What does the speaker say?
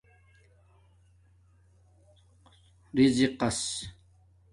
رزِقس